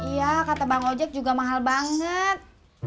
iya kata bang ojek juga mahal banget